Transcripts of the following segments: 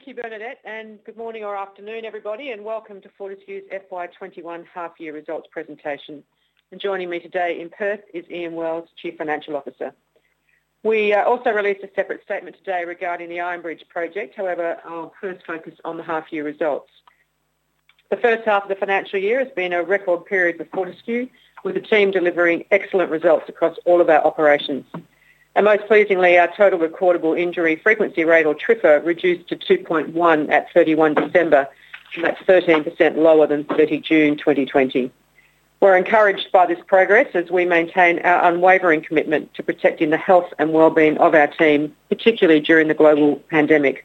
Thank you, Bernadette, and good morning or afternoon, everybody, and welcome to Fortescue's FY 2021 Half Year Results Presentation. Joining me today in Perth is Ian Wells, Chief Financial Officer. We also released a separate statement today regarding the Iron Bridge project. However, I'll first focus on the half-year results. The first half of the financial year has been a record period for Fortescue, with the team delivering excellent results across all of our operations. Most pleasingly, our total recordable injury frequency rate, or TRIFR, reduced to 2.1 at 31 December, and that's 13% lower than 30 June 2020. We're encouraged by this progress as we maintain our unwavering commitment to protecting the health and well-being of our team, particularly during the global pandemic.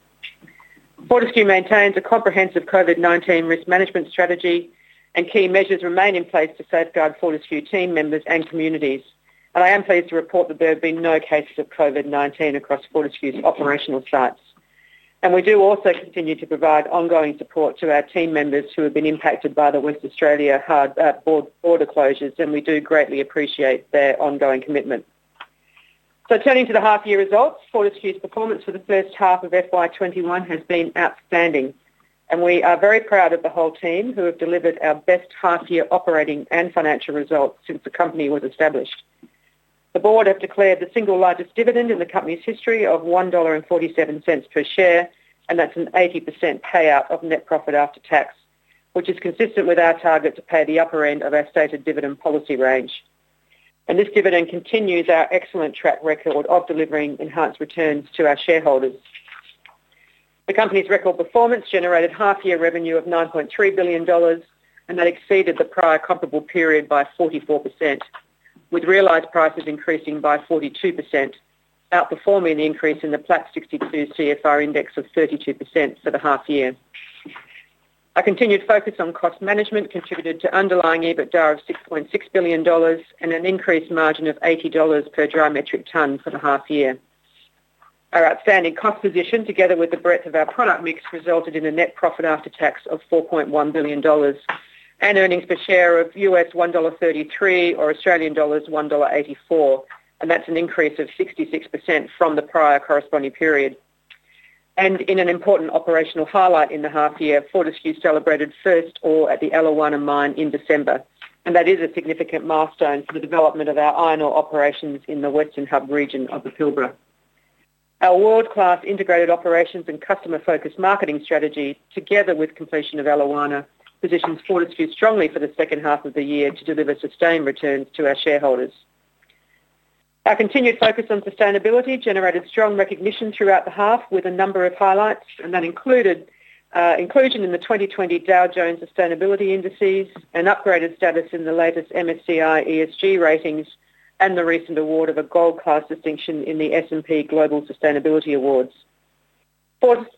Fortescue maintains a comprehensive COVID-19 risk management strategy, and key measures remain in place to safeguard Fortescue team members and communities. I am pleased to report that there have been no cases of COVID-19 across Fortescue's operational sites. We do also continue to provide ongoing support to our team members who have been impacted by the Western Australia border closures, and we do greatly appreciate their ongoing commitment. Turning to the half-year results, Fortescue's performance for the first half of FY 2021 has been outstanding, and we are very proud of the whole team who have delivered our best half-year operating and financial results since the company was established. The board have declared the single largest dividend in the company's history of $1.47 per share, and that's an 80% payout of net profit after tax, which is consistent with our target to pay the upper end of our stated dividend policy range. This dividend continues our excellent track record of delivering enhanced returns to our shareholders. The company's record performance generated half-year revenue of 9.3 billion dollars, and that exceeded the prior comparable period by 44%, with realized prices increasing by 42%, outperforming the increase in the Plat 62% Fe CFR index of 32% for the half year. Our continued focus on cost management contributed to underlying EBITDA of 6.6 billion dollars and an increased margin of 80 dollars per wet metric ton for the half year. Our outstanding cost position, together with the breadth of our product mix, resulted in a net profit after tax of 4.1 billion dollars and earnings per share of $1.33 or Australian dollars 1.84, and that's an increase of 66% from the prior corresponding period. In an important operational highlight in the half year, Fortescue celebrated first ore at the Eliwana mine in December, and that is a significant milestone for the development of our iron ore operations in the Western Hub region of the Pilbara. Our world-class integrated operations and customer-focused marketing strategy, together with completion of Eliwana, positions Fortescue strongly for the second half of the year to deliver sustained returns to our shareholders. Our continued focus on sustainability generated strong recognition throughout the half with a number of highlights, and that included inclusion in the 2020 Dow Jones Sustainability Indices and upgraded status in the latest MSCI ESG ratings, and the recent award of a gold-class distinction in the S&P Global Sustainability Awards.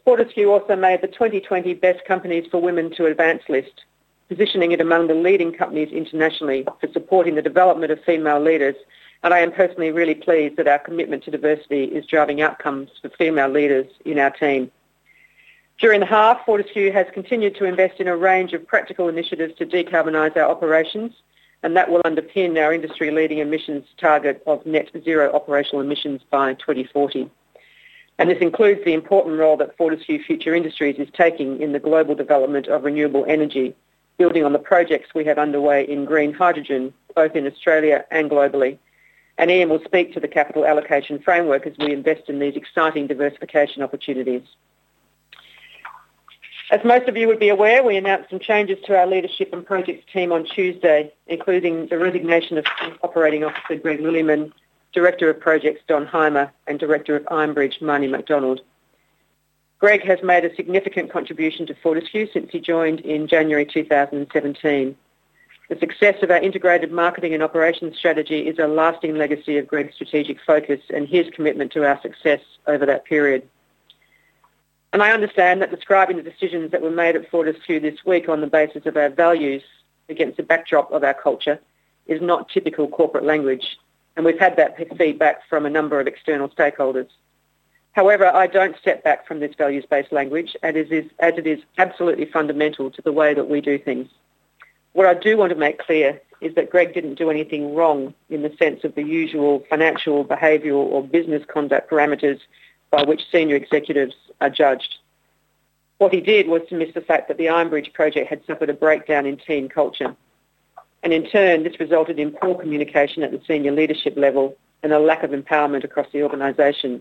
Fortescue also made the 2020 Best Companies for Women to Advance list, positioning it among the leading companies internationally for supporting the development of female leaders, and I am personally really pleased that our commitment to diversity is driving outcomes for female leaders in our team. During the half, Fortescue has continued to invest in a range of practical initiatives to decarbonize our operations, and that will underpin our industry-leading emissions target of net zero operational emissions by 2040. This includes the important role that Fortescue Future Industries is taking in the global development of renewable energy, building on the projects we have underway in green hydrogen, both in Australia and globally. Ian will speak to the capital allocation framework as we invest in these exciting diversification opportunities. As most of you would be aware, we announced some changes to our leadership and projects team on Tuesday, including the resignation of Chief Operating Officer Greg Lilleyman, Director of Projects Don Hyma, and Director of Iron Bridge Manny McDonald. Greg has made a significant contribution to Fortescue since he joined in January 2017. The success of our integrated marketing and operations strategy is a lasting legacy of Greg's strategic focus and his commitment to our success over that period. I understand that describing the decisions that were made at Fortescue this week on the basis of our values against the backdrop of our culture is not typical corporate language, and we've had that feedback from a number of external stakeholders. However, I don't step back from this values-based language, as it is absolutely fundamental to the way that we do things. What I do want to make clear is that Greg didn't do anything wrong in the sense of the usual financial, behavioral, or business conduct parameters by which senior executives are judged. What he did was to miss the fact that the Iron Bridge project had suffered a breakdown in team culture, and in turn, this resulted in poor communication at the senior leadership level and a lack of empowerment across the organization.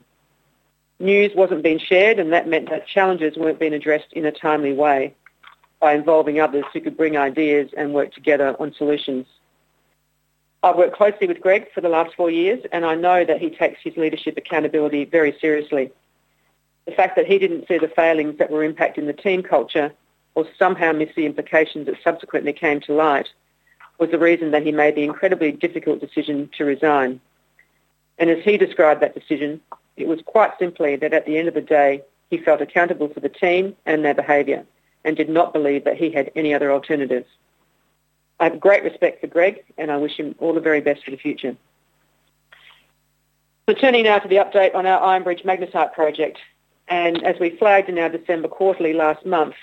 News was not being shared, and that meant that challenges were not being addressed in a timely way by involving others who could bring ideas and work together on solutions. I have worked closely with Greg for the last four years, and I know that he takes his leadership accountability very seriously. The fact that he did not see the failings that were impacting the team culture or somehow miss the implications that subsequently came to light was the reason that he made the incredibly difficult decision to resign. As he described that decision, it was quite simply that at the end of the day, he felt accountable for the team and their behavior and did not believe that he had any other alternatives. I have great respect for Greg, and I wish him all the very best for the future. Turning now to the update on our Iron Bridge Magnetite project, as we flagged in our December quarterly last month,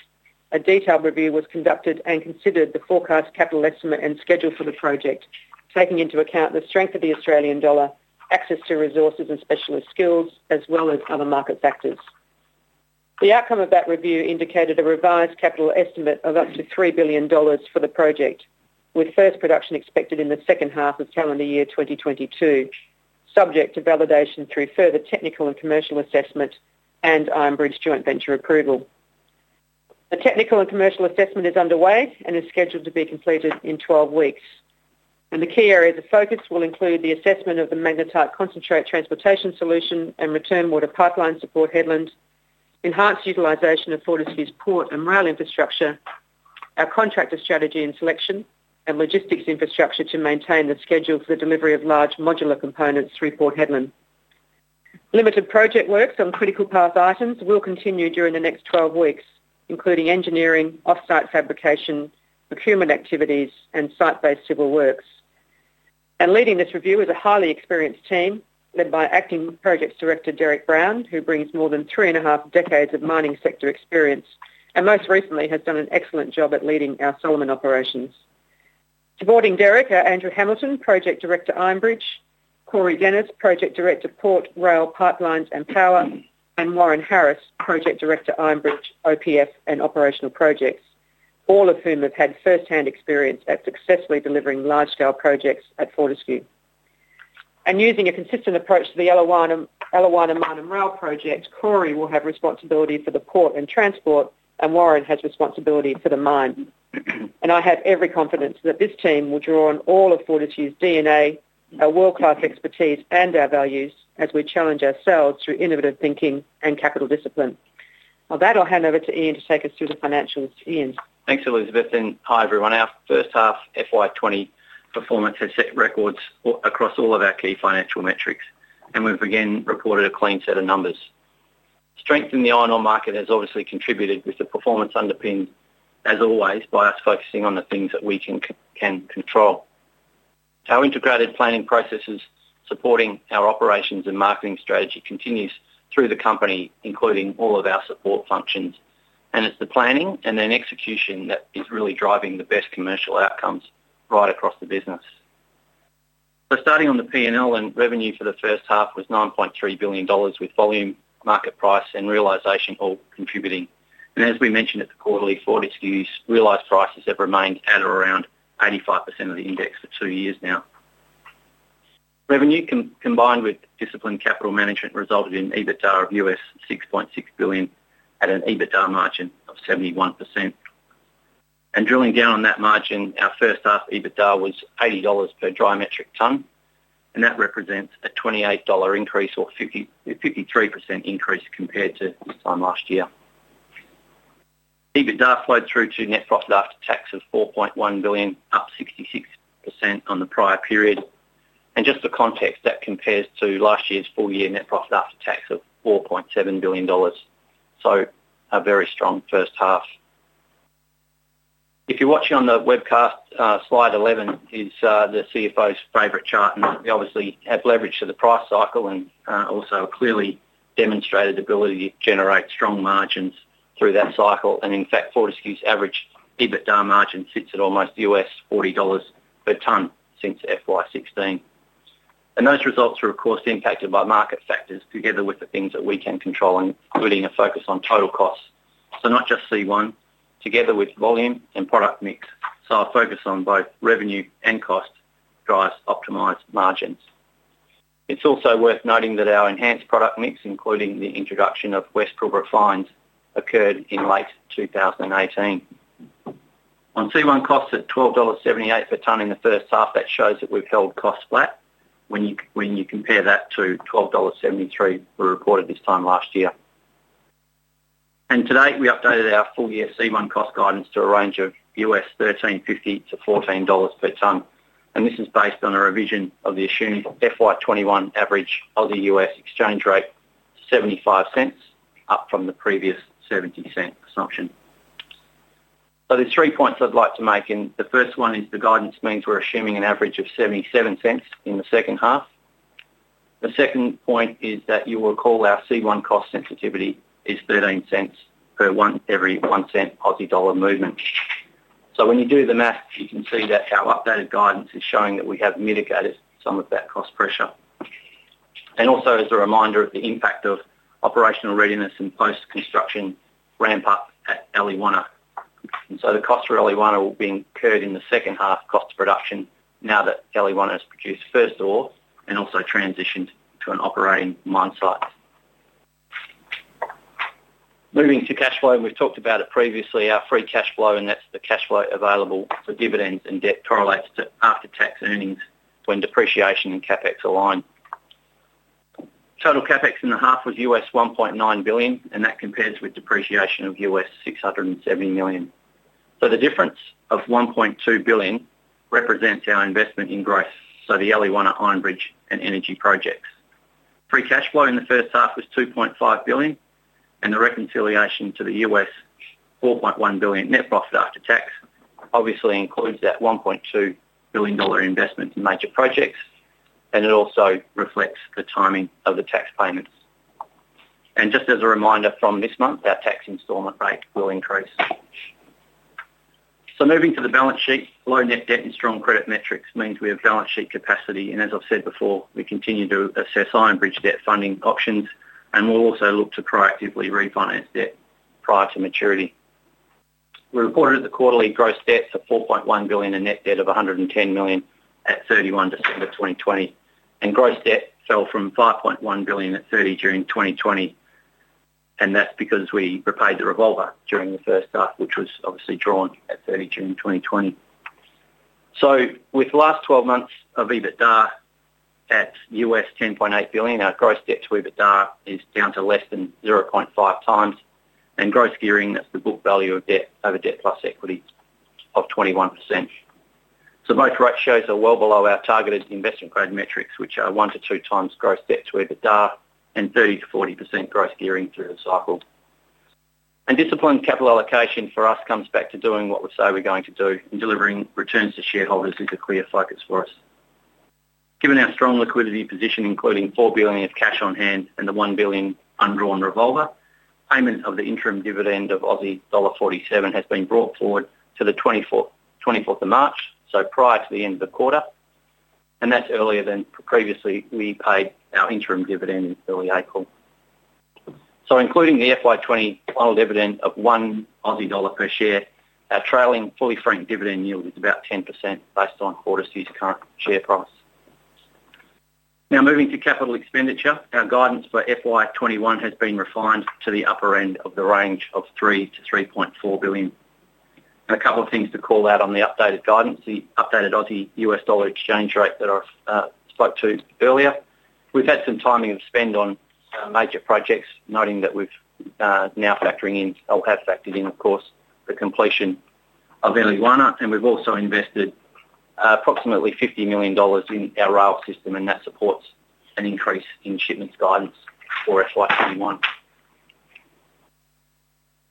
a detailed review was conducted and considered the forecast capital estimate and schedule for the project, taking into account the strength of the Australian dollar, access to resources and specialist skills, as well as other market factors. The outcome of that review indicated a revised capital estimate of up to $3 billion for the project, with first production expected in the second half of calendar year 2022, subject to validation through further technical and commercial assessment and Iron Bridge Joint Venture approval. The technical and commercial assessment is underway and is scheduled to be completed in 12 weeks. The key areas of focus will include the assessment of the magnetite concentrate transportation solution and return water pipeline support at Port Hedland, enhanced utilization of Fortescue's port and rail infrastructure, our contractor strategy and selection, and logistics infrastructure to maintain the schedule for the delivery of large modular components through Port Hedland. Limited project work on critical path items will continue during the next 12 weeks, including engineering, off-site fabrication, procurement activities, and site-based civil works. Leading this review is a highly experienced team led by Acting Projects Director Derek Brown, who brings more than three and a half decades of mining sector experience and most recently has done an excellent job at leading our Solomon operations. Supporting Derek are Andrew Hamilton, Project Director Iron Bridge; Corey Dennis, Project Director Port, Rail, Pipelines, and Power; and Warren Harris, Project Director Iron Bridge, OPF, and Operational Projects, all of whom have had first-hand experience at successfully delivering large-scale projects at Fortescue. Using a consistent approach to the Eliwana mine and rail project, Corey will have responsibility for the port and transport, and Warren has responsibility for the mine. I have every confidence that this team will draw on all of Fortescue's DNA, our world-class expertise, and our values as we challenge ourselves through innovative thinking and capital discipline. With that, I'll hand over to Ian to take us through the financials. Thanks, Elizabeth. Hi, everyone. Our first half FY 2020 performance has set records across all of our key financial metrics, and we've again reported a clean set of numbers. Strength in the iron ore market has obviously contributed, with the performance underpinned, as always, by us focusing on the things that we can control. Our integrated planning processes supporting our operations and marketing strategy continue through the company, including all of our support functions. It's the planning and then execution that is really driving the best commercial outcomes right across the business. Starting on the P&L, revenue for the first half was 9.3 billion dollars, with volume, market price, and realization all contributing. As we mentioned at the quarterly, Fortescue's realized prices have remained at or around 85% of the index for two years now. Revenue combined with disciplined capital management resulted in EBITDA of $6.6 billion at an EBITDA margin of 71%. Drilling down on that margin, our first half EBITDA was $80 per dmt, and that represents a $28 increase or 53% increase compared to last year. EBITDA flowed through to net profit after tax of $4.1 billion, up 66% on the prior period. Just for context, that compares to last year's full-year net profit after tax of $4.7 billion, so a very strong first half. If you're watching on the webcast, slide 11 is the CFO's favorite chart, and we obviously have leverage to the price cycle and also clearly demonstrated the ability to generate strong margins through that cycle. In fact, Fortescue's average EBITDA margin sits at almost $40 per ton since FY 2016. Those results were, of course, impacted by market factors together with the things that we can control, including a focus on total costs, not just C1, together with volume and product mix. Our focus on both revenue and cost drives optimized margins. It's also worth noting that our enhanced product mix, including the introduction of West Pilbara Fines, occurred in late 2018. On C1 costs at $12.78 per ton in the first half, that shows that we've held costs flat when you compare that to $12.73 we reported this time last year. Today, we updated our full-year C1 cost guidance to a range of $13.50-$14 per ton, and this is based on a revision of the assumed fiscal year 2021 average of the U.S. exchange rate, $0.75, up from the previous $0.70 assumption. There are three points I'd like to make. The first one is the guidance means we're assuming an average of 0.77 in the second half. The second point is that you will recall our C1 cost sensitivity is 0.13 per every one cent Aussie dollar movement. When you do the math, you can see that our updated guidance is showing that we have mitigated some of that cost pressure. Also, as a reminder of the impact of operational readiness and post-construction ramp-up at Eliwana, the costs for Eliwana will be incurred in the second half cost production now that Eliwana has produced first ore and also transitioned to an operating mine site. Moving to cash flow, we've talked about it previously, our free cash flow, and that's the cash flow available for dividends and debt correlates to after-tax earnings when depreciation and CapEx align. Total CapEx in the half was $1.9 billion, and that compares with depreciation of $670 million. The difference of $1.2 billion represents our investment in growth for the Eliwana, Iron Bridge, and energy projects. Free cash flow in the first half was $2.5 billion, and the reconciliation to the $4.1 billion net profit after tax obviously includes that $1.2 billion investment in major projects, and it also reflects the timing of the tax payments. Just as a reminder from this month, our tax installment rate will increase. Moving to the balance sheet, low net debt and strong credit metrics means we have balance sheet capacity, and as I've said before, we continue to assess Iron Bridge debt funding options, and we'll also look to proactively refinance debt prior to maturity. We reported at the quarterly gross debt of $4.1 billion and net debt of $110 million at 31 December 2020, and gross debt fell from $5.1 billion at 30 June 2020, and that's because we repaid the revolver during the first half, which was obviously drawn at 30 June 2020. With last 12 months of EBITDA at $10.8 billion, our gross debt to EBITDA is down to less than 0.5 times, and gross gearing is the book value of debt over debt plus equity of 21%. Most ratios are well below our targeted investment grade metrics, which are one to two times gross debt to EBITDA and 30-40% gross gearing through the cycle. Disciplined capital allocation for us comes back to doing what we say we're going to do, and delivering returns to shareholders is a clear focus for us. Given our strong liquidity position, including $4 billion of cash on hand and the 1 billion undrawn revolver, payment of the interim dividend of Aussie dollar 1.47 has been brought forward to the 24th of March, so prior to the end of the quarter, and that's earlier than previously we paid our interim dividend in early April. Including the FY 2020 final dividend of 1 Aussie dollar per share, our trailing fully franked dividend yield is about 10% based on Fortescue's current share price. Now, moving to capital expenditure, our guidance for FY 2021 has been refined to the upper end of the range of 3 billion-3.4 billion. A couple of things to call out on the updated guidance, the updated AUD-U.S. dollar exchange rate that I spoke to earlier. We've had some timing of spend on major projects, noting that we've now factoring in, or have factored in, of course, the completion of Eliwana, and we've also invested approximately 50 million dollars in our rail system, and that supports an increase in shipments guidance for FY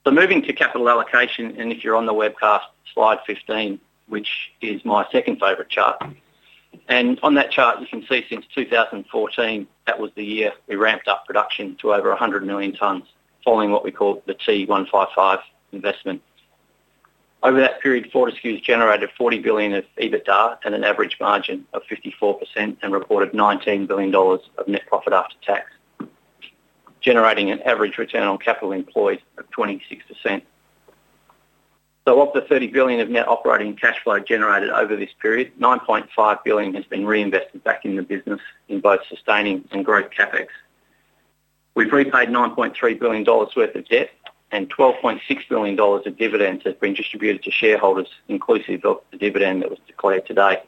2021. Moving to capital allocation, and if you're on the webcast, slide 15, which is my second favorite chart. On that chart, you can see since 2014, that was the year we ramped up production to over 100 million tons following what we call the T155 investment. Over that period, Fortescue has generated 40 billion of EBITDA at an average margin of 54% and reported 19 billion dollars of net profit after tax, generating an average return on capital employed of 26%. Of the $30 billion of net operating cash flow generated over this period, $9.5 billion has been reinvested back in the business in both sustaining and growth CapEx. We have repaid $9.3 billion worth of debt, and $12.6 billion of dividends have been distributed to shareholders, inclusive of the dividend that was declared today.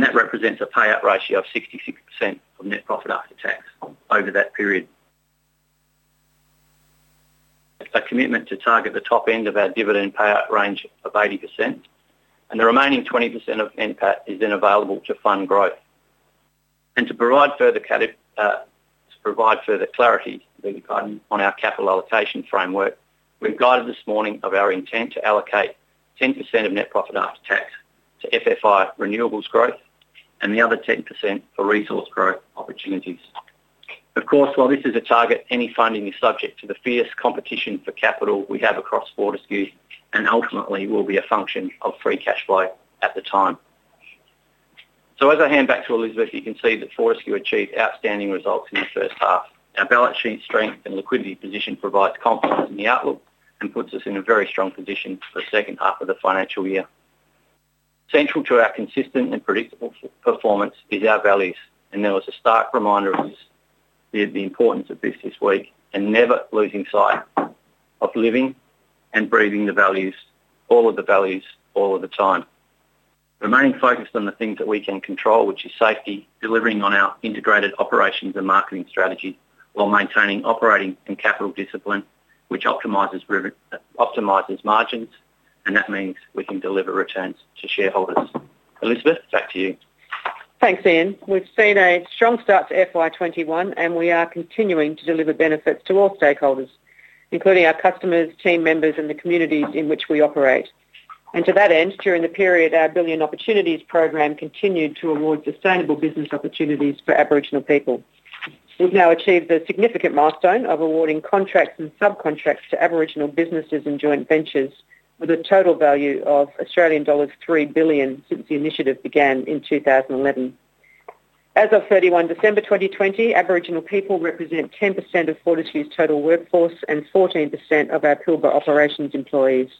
That represents a payout ratio of 66% of net profit after tax over that period. A commitment to target the top end of our dividend payout range of 80%, and the remaining 20% of NPAT is then available to fund growth. To provide further clarity on our capital allocation framework, we have guided this morning of our intent to allocate 10% of net profit after tax to FFI renewables growth and the other 10% for resource growth opportunities. Of course, while this is a target, any funding is subject to the fierce competition for capital we have across Fortescue and ultimately will be a function of free cash flow at the time. As I hand back to Elizabeth, you can see that Fortescue achieved outstanding results in the first half. Our balance sheet strength and liquidity position provides confidence in the outlook and puts us in a very strong position for the second half of the financial year. Central to our consistent and predictable performance is our values, and there was a stark reminder of the importance of this week and never losing sight of living and breathing the values, all of the values, all of the time. Remaining focused on the things that we can control, which is safety, delivering on our integrated operations and marketing strategy while maintaining operating and capital discipline, which optimizes margins, and that means we can deliver returns to shareholders. Elizabeth, back to you. Thanks, Ian. We've seen a strong start to FY 2021, and we are continuing to deliver benefits to all stakeholders, including our customers, team members, and the communities in which we operate. To that end, during the period, our Billion Opportunities program continued to award sustainable business opportunities for Aboriginal people. We've now achieved a significant milestone of awarding contracts and subcontracts to Aboriginal businesses and joint ventures with a total value of Australian dollars 3 billion since the initiative began in 2011. As of 31 December 2020, Aboriginal people represent 10% of Fortescue's total workforce and 14% of our Pilbara operations employees.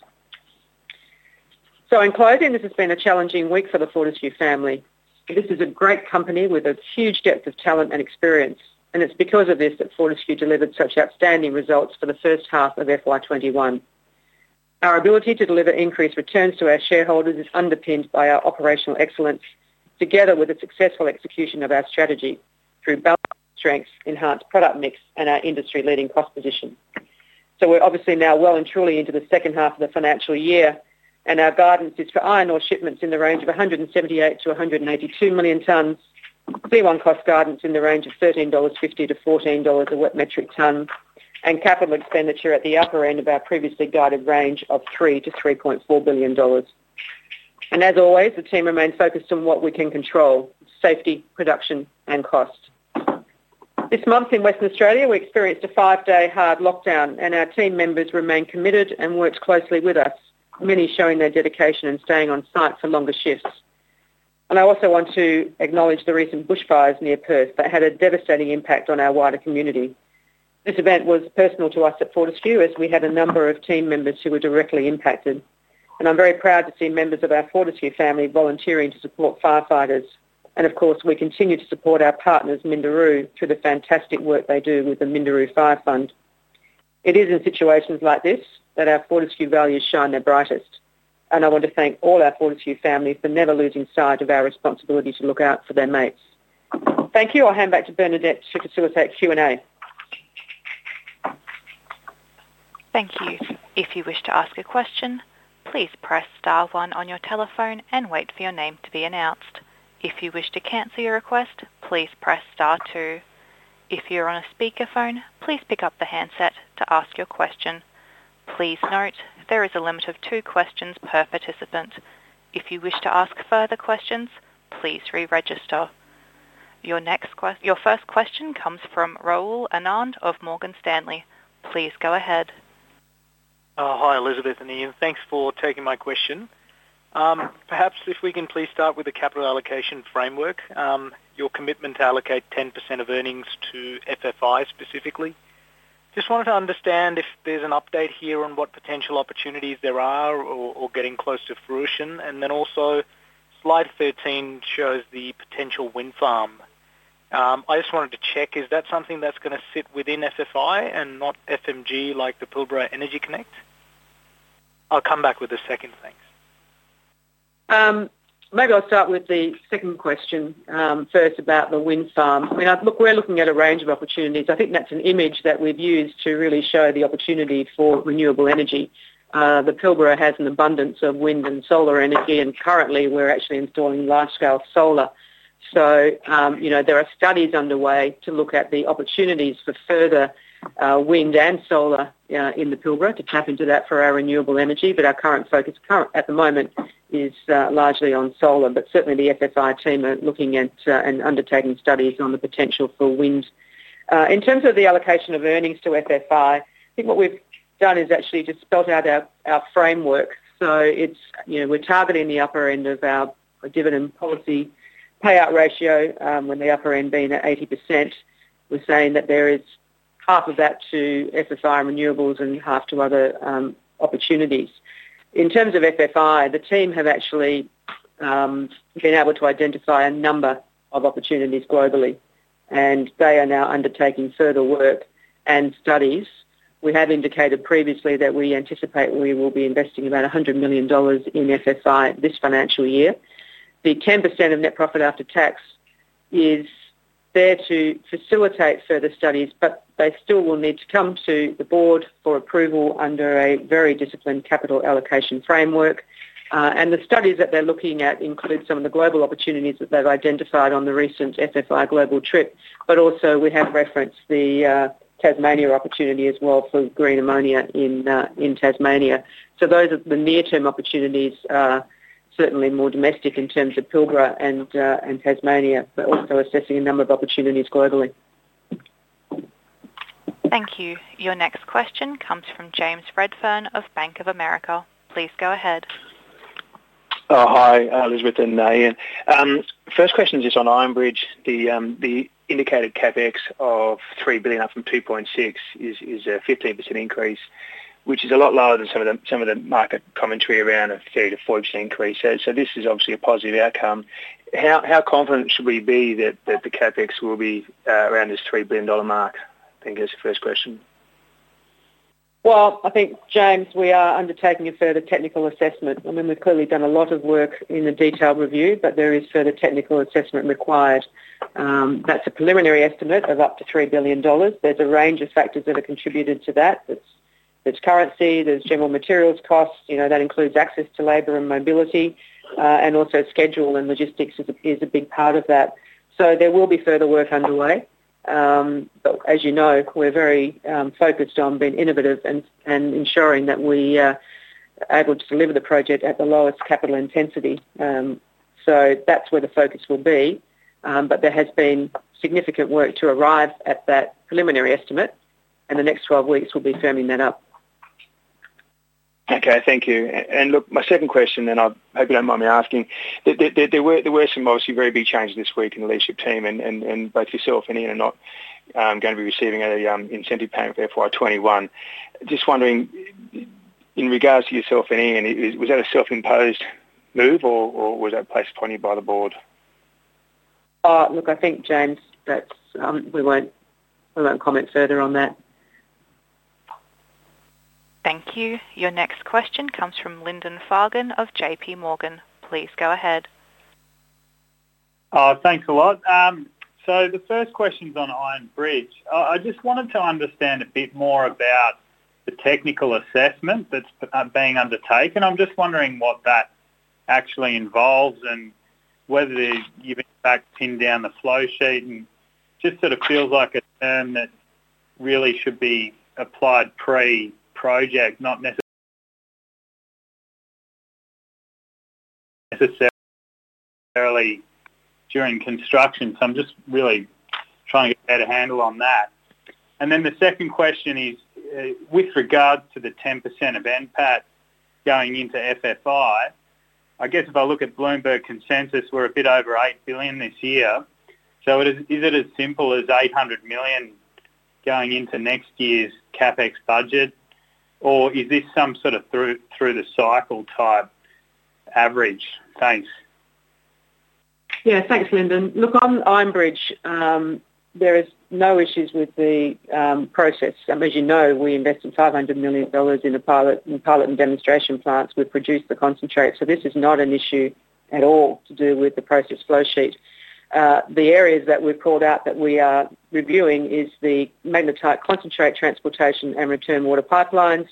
In closing, this has been a challenging week for the Fortescue family. This is a great company with a huge depth of talent and experience, and it's because of this that Fortescue delivered such outstanding results for the first half of FY 2021. Our ability to deliver increased returns to our shareholders is underpinned by our operational excellence, together with the successful execution of our strategy through balanced strengths, enhanced product mix, and our industry-leading cost position. We are obviously now well and truly into the second half of the financial year, and our guidance is for iron ore shipments in the range of 178-182 million tons, C1 cost guidance in the range of $13.50-$14 a wet metric ton, and capital expenditure at the upper end of our previously guided range of $3 billion-$3.4 billion. As always, the team remains focused on what we can control: safety, production, and cost. This month in Western Australia, we experienced a five-day hard lockdown, and our team members remained committed and worked closely with us, many showing their dedication and staying on site for longer shifts. I also want to acknowledge the recent bushfires near Perth that had a devastating impact on our wider community. This event was personal to us at Fortescue as we had a number of team members who were directly impacted, and I'm very proud to see members of our Fortescue family volunteering to support firefighters. Of course, we continue to support our partners, Minderoo, through the fantastic work they do with the Minderoo Fire Fund. It is in situations like this that our Fortescue values shine their brightest, and I want to thank all our Fortescue family for never losing sight of our responsibility to look out for their mates. Thank you. I'll hand back to Bernadette to facilitate Q&A. Thank you. If you wish to ask a question, please press star one on your telephone and wait for your name to be announced. If you wish to cancel your request, please press star two. If you're on a speakerphone, please pick up the handset to ask your question. Please note there is a limit of two questions per participant. If you wish to ask further questions, please re-register. Your first question comes from Rahul Anand of Morgan Stanley. Please go ahead. Hi, Elizabeth and Ian. Thanks for taking my question. Perhaps if we can please start with the capital allocation framework, your commitment to allocate 10% of earnings to FFI specifically. Just wanted to understand if there's an update here on what potential opportunities there are or getting close to fruition, and then also slide 13 shows the potential wind farm. I just wanted to check, is that something that's going to sit within FFI and not FMG like the Pilbara Energy Connect? I'll come back with the second, thanks. Maybe I'll start with the second question first about the wind farm. We're looking at a range of opportunities. I think that's an image that we've used to really show the opportunity for renewable energy. The Pilbara has an abundance of wind and solar energy, and currently we're actually installing large-scale solar. There are studies underway to look at the opportunities for further wind and solar in the Pilbara to tap into that for our renewable energy, but our current focus at the moment is largely on solar. Certainly, the FFI team are looking at and undertaking studies on the potential for wind. In terms of the allocation of earnings to FFI, I think what we've done is actually just spelled out our framework. We're targeting the upper end of our dividend policy payout ratio with the upper end being at 80%. We're saying that there is half of that to FFI renewables and half to other opportunities. In terms of FFI, the team have actually been able to identify a number of opportunities globally, and they are now undertaking further work and studies. We have indicated previously that we anticipate we will be investing about $100 million in FFI this financial year. The 10% of net profit after tax is there to facilitate further studies, but they still will need to come to the board for approval under a very disciplined capital allocation framework. The studies that they're looking at include some of the global opportunities that they've identified on the recent FFI global trip, but also we have referenced the Tasmania opportunity as well for green ammonia in Tasmania. Those are the near-term opportunities, certainly more domestic in terms of Pilbara and Tasmania, but also assessing a number of opportunities globally. Thank you. Your next question comes from James Redfern of Bank of America. Please go ahead. Hi, Elizabeth and Ian. First question is just on Iron Bridge. The indicated CapEx of $3 billion up from $2.6 billion is a 15% increase, which is a lot lower than some of the market commentary around a $3 billion-$4 billion increase. This is obviously a positive outcome. How confident should we be that the CapEx will be around this $3 billion mark? I think that's the first question. I think, James, we are undertaking a further technical assessment. We've clearly done a lot of work in the detailed review, but there is further technical assessment required. That's a preliminary estimate of up to $3 billion. There's a range of factors that have contributed to that. There's currency, there's general materials costs. That includes access to labor and mobility, and also schedule and logistics is a big part of that. There will be further work underway. As you know, we're very focused on being innovative and ensuring that we are able to deliver the project at the lowest capital intensity. That's where the focus will be, but there has been significant work to arrive at that preliminary estimate, and the next 12 weeks will be firming that up. Okay, thank you. My second question, and I hope you don't mind me asking, there were some obviously very big changes this week in the leadership team, and both yourself and Ian are not going to be receiving an incentive payment for FY 2021. Just wondering, in regards to yourself and Ian, was that a self-imposed move, or was that placed upon you by the board? Look, I think, James, we won't comment further on that. Thank you. Your next question comes from Lyndon Fagan of JPMorgan. Please go ahead. Thanks a lot. The first question is on Iron Bridge. I just wanted to understand a bit more about the technical assessment that's being undertaken. I'm just wondering what that actually involves and whether you've in fact pinned down the flow sheet. It just sort of feels like a term that really should be applied pre-project, not necessarily during construction. I'm just really trying to get a better handle on that. Then the second question is with regards to the 10% of NPAT going into FFI. I guess if I look at Bloomberg Consensus, we're a bit over $8 billion this year. Is it as simple as $800 million going into next year's CapEx budget, or is this some sort of through-the-cycle type average? Thanks. Yeah, thanks, Lyndon. Look, on Iron Bridge, there are no issues with the process. As you know, we invested $500 million in pilot and demonstration plants which produced the concentrate. This is not an issue at all to do with the process flow sheet. The areas that we've called out that we are reviewing are the magnetite concentrate transportation and return water pipelines,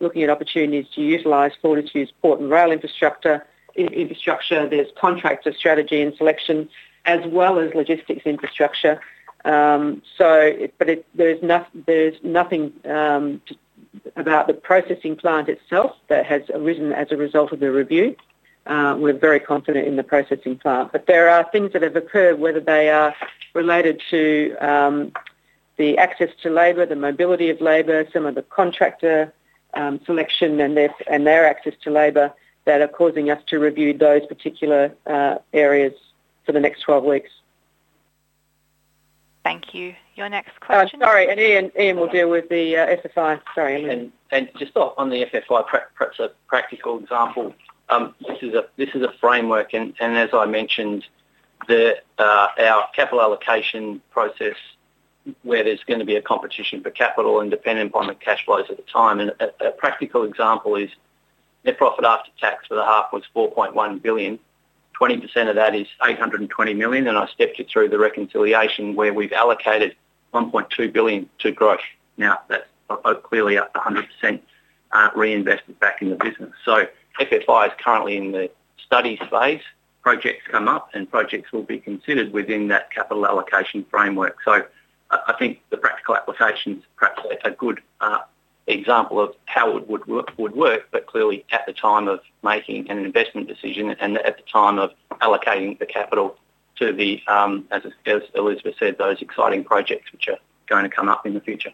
looking at opportunities to utilize Fortescue's port and rail infrastructure. Infrastructure, there's contractor strategy and selection, as well as logistics infrastructure. There's nothing about the processing plant itself that has arisen as a result of the review. We're very confident in the processing plant. There are things that have occurred, whether they are related to the access to labor, the mobility of labor, some of the contractor selection and their access to labor that are causing us to review those particular areas for the next 12 weeks. Thank you. Your next question. Sorry, Ian, Ian will deal with the FFI. Sorry, Ian. Thank you. Just on the FFI practical example, this is a framework, and as I mentioned, our capital allocation process where there's going to be a competition for capital and dependent on the cash flows at the time. A practical example is net profit after tax for the half was $4.1 billion. 20% of that is $820 million, and I stepped it through the reconciliation where we've allocated $1.2 billion to growth. Now, that's clearly up to 100% reinvested back in the business. FFI is currently in the study phase. Projects come up, and projects will be considered within that capital allocation framework. I think the practical application is perhaps a good example of how it would work, but clearly at the time of making an investment decision and at the time of allocating the capital to the, as Elizabeth said, those exciting projects which are going to come up in the future.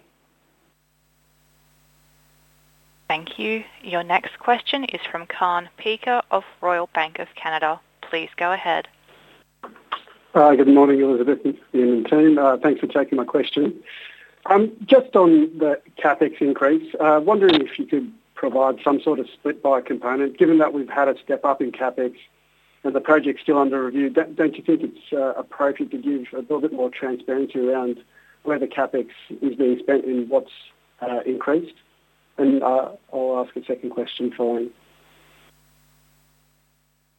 Thank you. Your next question is from Kaan Peker of Royal Bank of Canada. Please go ahead. Hi, good morning, Elizabeth and the team. Thanks for taking my question. Just on the CapEx increase, I'm wondering if you could provide some sort of split by component. Given that we've had a step up in CapEx and the project's still under review, don't you think it's appropriate to give a little bit more transparency around where the CapEx is being spent and what's increased? I'll ask a second question following.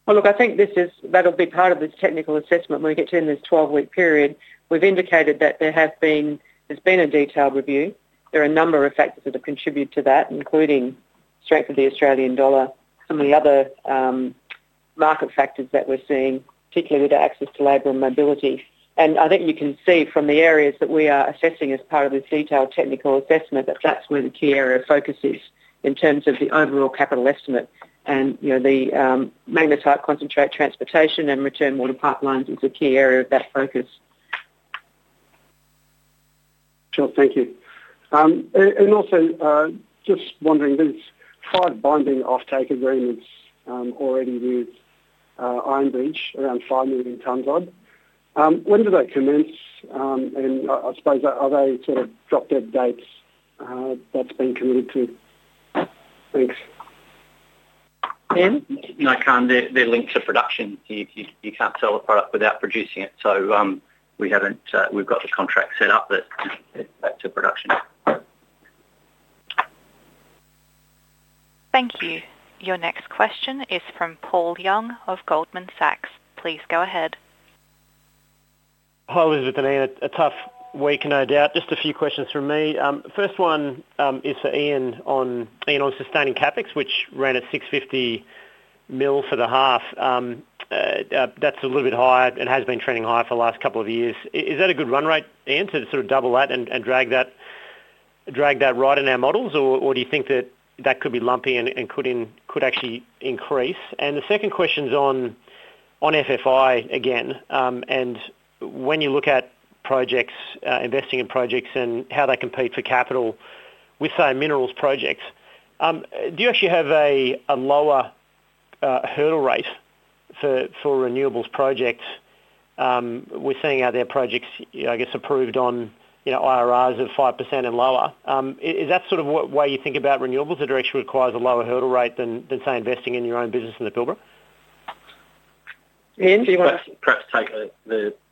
Look, I think that'll be part of this technical assessment when we get to in this 12-week period. We've indicated that there has been a detailed review. There are a number of factors that have contributed to that, including strength of the Australian dollar, some of the other market factors that we're seeing, particularly with access to labor and mobility. I think you can see from the areas that we are assessing as part of this detailed technical assessment that that's where the key area of focus is in terms of the overall capital estimate. The magnetite concentrate transportation and return water pipelines is a key area of that focus. Sure, thank you. Also, just wondering, there's five binding offtake agreements already with Iron Bridge around 5 million tons of. When do they commence? I suppose are there sort of drop-dead dates? That's been committed to. Thanks. No, Kaan, they're linked to production. You can't sell the product without producing it. We've got the contract set up that's back to production. Thank you. Your next question is from Paul Young of Goldman Sachs. Please go ahead. Hi, Elizabeth and Ian. A tough week, no doubt. Just a few questions from me. First one is for Ian on sustaining CapEx, which ran at 650 million for the half. That's a little bit higher. It has been trending higher for the last couple of years. Is that a good run rate, Ian, to sort of double that and drag that right in our models, or do you think that that could be lumpy and could actually increase? The second question's on FFI again. When you look at investing in projects and how they compete for capital with, say, minerals projects, do you actually have a lower hurdle rate for renewables projects? We're seeing out there projects, I guess, approved on IRRs of 5% and lower. Is that sort of the way you think about renewables? It actually requires a lower hurdle rate than, say, investing in your own business in the Pilbara? Ian, do you want to? Perhaps take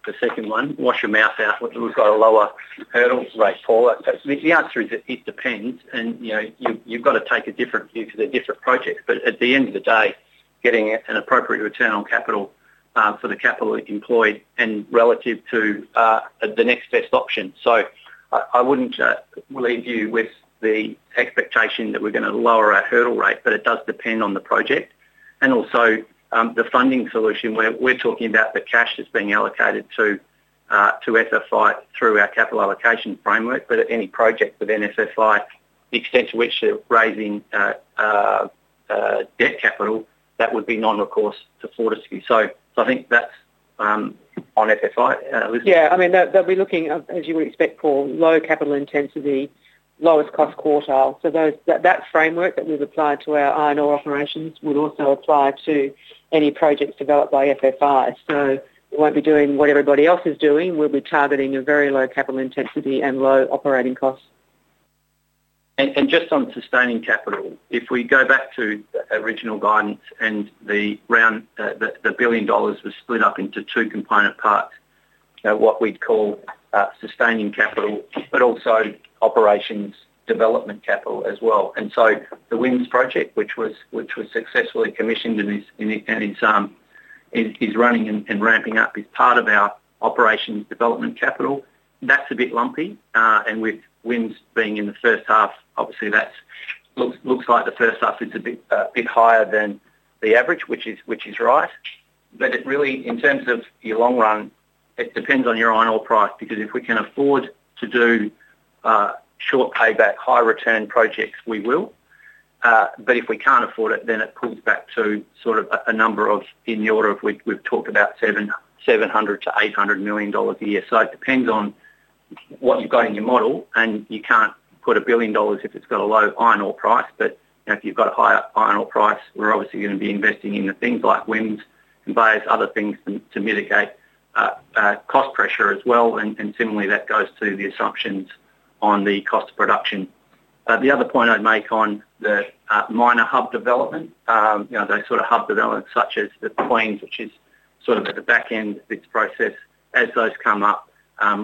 the second one. Wash your mouth out. We've got a lower hurdle rate for it. The answer is that it depends, and you've got to take a different view for the different projects. At the end of the day, getting an appropriate return on capital for the capital employed and relative to the next best option. I wouldn't leave you with the expectation that we're going to lower our hurdle rate, but it does depend on the project. Also, the funding solution, we're talking about the cash that's being allocated to FFI through our capital allocation framework, but at any project within FFI, the extent to which they're raising debt capital, that would be non-recourse to Fortescue. I think that's on FFI. Yeah, I mean they'll be looking, as you would expect, for low capital intensity, lowest cost quartile. That framework that we've applied to our iron ore operations would also apply to any projects developed by FFI. We won't be doing what everybody else is doing. We'll be targeting a very low capital intensity and low operating cost. Just on sustaining capital, if we go back to original guidance and the billion dollars was split up into two component parts, what we'd call sustaining capital, but also operations development capital as well. The winds project, which was successfully commissioned and is running and ramping up, is part of our operations development capital. That's a bit lumpy. With winds being in the first half, obviously that looks like the first half is a bit higher than the average, which is right. In terms of your long run, it depends on your iron ore price, because if we can afford to do short payback, high return projects, we will. If we can't afford it, then it pulls back to a number of in the order of we've talked about 700 million-800 million dollars a year. It depends on what you've got in your model, and you can't put a billion dollars if it's got a low iron ore price. If you've got a higher iron ore price, we're obviously going to be investing in things like winds and various other things to mitigate cost pressure as well. Similarly, that goes to the assumptions on the cost of production. The other point I'd make on the minor hub development, those sort of hub developments such as the Queens, which is sort of at the back end of this process, as those come up,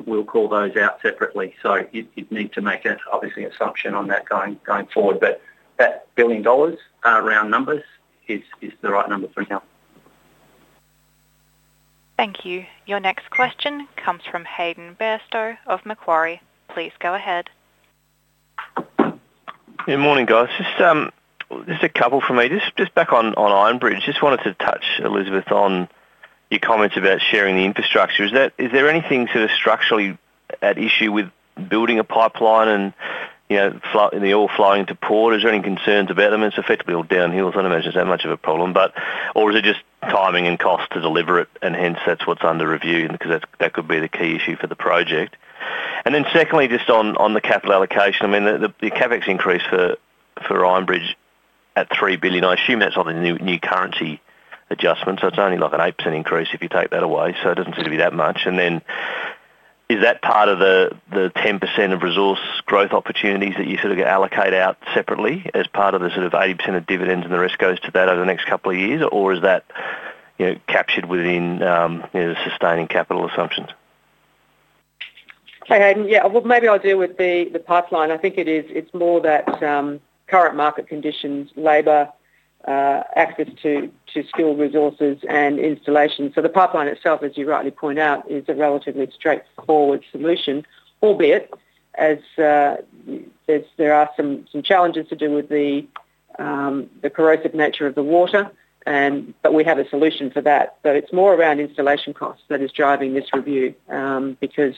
we'll call those out separately. You'd need to make an obvious assumption on that going forward. That billion dollars around numbers is the right number for now. Thank you. Your next question comes from Hayden Bairstow of Macquarie. Please go ahead. Good morning, guys. Just a couple for me. Just back on Iron Bridge, just wanted to touch, Elizabeth, on your comments about sharing the infrastructure. Is there anything sort of structurally at issue with building a pipeline and the ore flowing to port? Is there any concerns about them? It's effectively all downhill, so I don't imagine it's that much of a problem. Is it just timing and cost to deliver it, and hence that's what's under review, because that could be the key issue for the project? Secondly, just on the capital allocation, the CapEx increase for Iron Bridge at $3 billion, I assume that's on the new currency adjustment, so it's only like an 8% increase if you take that away. It doesn't seem to be that much. Is that part of the 10% of resource growth opportunities that you sort of allocate out separately as part of the sort of 80% of dividends, and the rest goes to that over the next couple of years? Or is that captured within the sustaining capital assumptions? Yeah, maybe I'll deal with the pipeline. I think it's more that current market conditions, labor, access to skilled resources, and installation. The pipeline itself, as you rightly point out, is a relatively straightforward solution, albeit there are some challenges to do with the corrosive nature of the water. But we have a solution for that. It's more around installation costs that is driving this review, because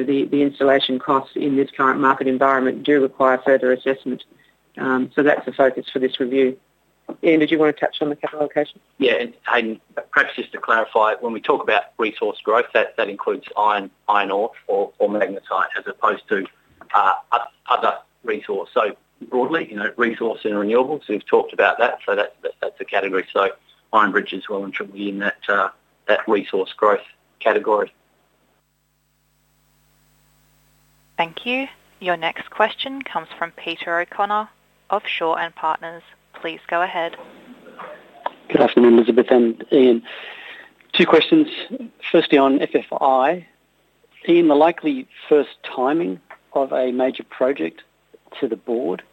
the installation costs in this current market environment do require further assessment. That's the focus for this review. Ian, did you want to touch on the capital allocation? Yeah, perhaps just to clarify, when we talk about resource growth, that includes iron ore or magnetite as opposed to other resource. Broadly, resource and renewables, we've talked about that. That's a category. Iron Bridge as well in triple in that resource growth category. Thank you. Your next question comes from Peter O'Connor of Shore and Partners. Please go ahead. Good afternoon, Elizabeth and Ian. Two questions. Firstly, on FFI. Ian, the likely first timing of a major project to the board